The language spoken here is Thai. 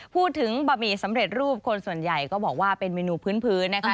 บะหมี่สำเร็จรูปคนส่วนใหญ่ก็บอกว่าเป็นเมนูพื้นนะคะ